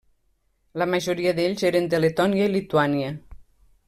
La majoria d'ells eren de Letònia i Lituània.